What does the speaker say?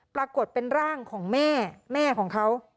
ปรากฏเป็นร่างของแม่แม่ของเขา